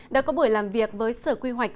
đã có buổi làm việc với sở quy hoạch